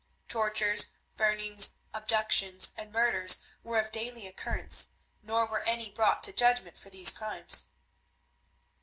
Tortures, burnings, abductions, and murders were of daily occurrence, nor were any brought to judgment for these crimes.